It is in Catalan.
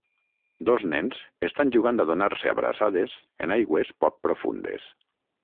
Dos nens estan jugant a donar-se abraçades en aigües poc profundes.